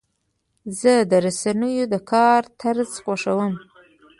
زه د رسنیو د کار طرز خوښوم.